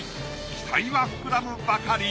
期待は膨らむばかり。